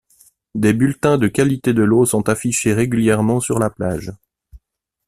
Des bulletins de qualité de l'eau sont affichés régulièrement sur la plage.